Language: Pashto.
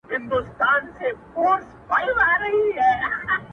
o هر شى پر خپل ځاى ښه ايسي.